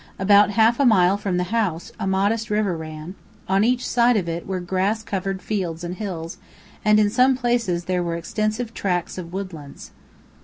About half a mile from the house a modest river ran; on each side of it were grass covered fields and hills, and in some places there were extensive tracks of woodlands.